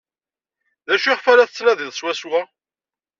D acu iɣef la tettnadiḍ swaswa?